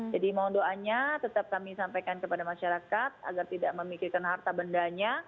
jadi mohon doanya tetap kami sampaikan kepada masyarakat agar tidak memikirkan harta bendanya